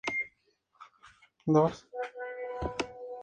Este plato suele tener una concepción muy similar al de sopa de ajo castellana.